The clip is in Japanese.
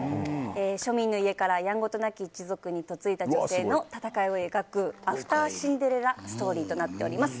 庶民の家からやんごとなき一族に嫁いだ女性の戦いを描くアフターシンデレラストーリーとなっております。